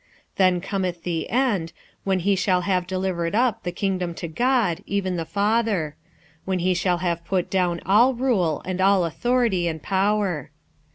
46:015:024 Then cometh the end, when he shall have delivered up the kingdom to God, even the Father; when he shall have put down all rule and all authority and power.